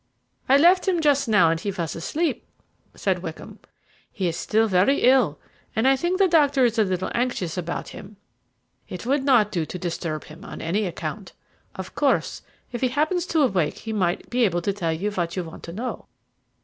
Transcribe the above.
"I left him just now and he was asleep," said Wickham. "He is still very ill, and I think the doctor is a little anxious about him. It would not do to disturb him on any account. Of course, if he happens to awake he might be able to tell you what you want to know.